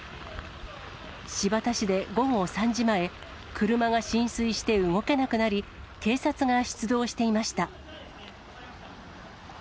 新発田市で午後３時前、車が浸水して動けなくなり、警察が出動していました。